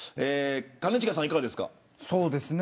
兼近さん、いかがですか。